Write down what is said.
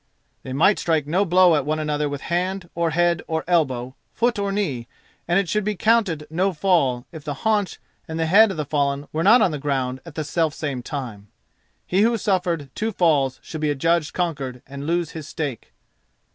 They might strike no blow at one another with hand, or head, or elbow, foot or knee; and it should be counted no fall if the haunch and the head of the fallen were not on the ground at the self same time. He who suffered two falls should be adjudged conquered and lose his stake.